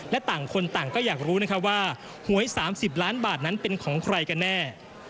และต่างคนต่างก็อยากรู้นะครับว่าหวย๓๐ล้านบาทนั้นเป็นของใครกันแน่